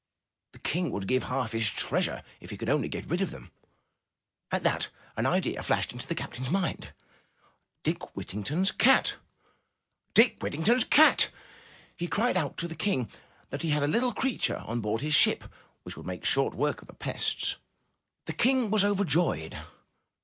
The King would give half his treasure if he could get rid of them." At that an idea flashed into the captain's mind! Dick Whittington's cat! Dick Whittington's cat! He cried out to the King that he had a little creature on board his ship which would make short work of the pests. The King was overjoyed.